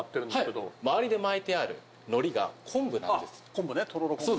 昆布ねとろろ昆布。